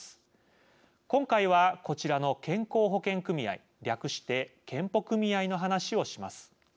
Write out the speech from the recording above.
今回はこちらの健康保険組合略して健保組合の話をします。